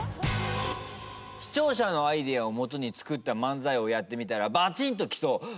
視聴者のアイデアを基に作った漫才をやってみたらバチーンときそう！